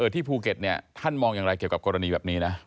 ที่ภูเก็ตท่านมองอย่างไรเกี่ยวกับกรณีแบบนี้นะ